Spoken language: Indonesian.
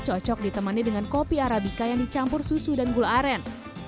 cocok ditemani dengan kopi arabica yang dicampur susu dan gula aren